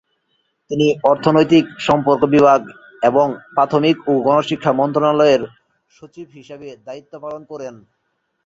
তিনি অর্থনৈতিক সম্পর্ক বিভাগ এবং প্রাথমিক ও গণশিক্ষা মন্ত্রণালয়ের সচিব হিসেবে দায়িত্ব পালন করেন।